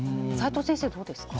齋藤先生、どうですか？